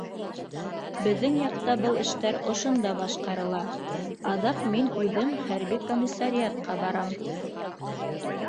Беҙҙең яҡта был эштәр ошонда башҡарыла, аҙаҡ мин үҙем хәрби комиссариатҡа барам